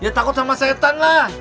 ya takut sama setan lah